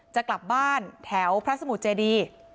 จะกลับบ้านแถวพระสมุทรเจดี